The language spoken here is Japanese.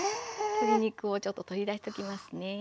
鶏肉をちょっと取り出しときますね。